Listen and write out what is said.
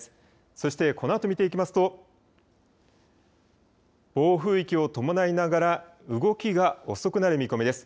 そして、このあと見ていきますと暴風域を伴いながら動きが遅くなる見込みです。